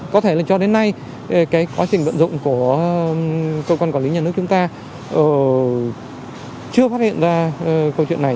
có thể là cho đến nay cái quá trình vận dụng của cơ quan quản lý nhà nước chúng ta chưa phát hiện ra câu chuyện này